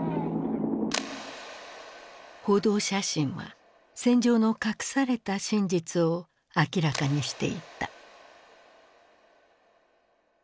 報道写真は戦場の隠された真実を明らかにしていった。